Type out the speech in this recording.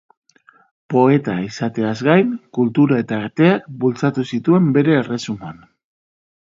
Poeta izateaz gain, kultura eta arteak bultzatu zituen bere erresuman.